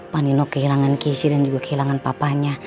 panino kehilangan kesi dan juga kehilangan papanya